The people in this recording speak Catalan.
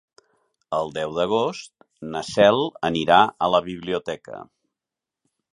El deu d'agost na Cel anirà a la biblioteca.